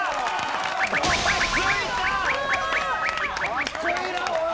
かっこいいなおい！